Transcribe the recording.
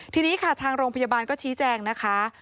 ทีนี้ค่ะทางโรงพยาบาลก็ชี้แจงนะคะ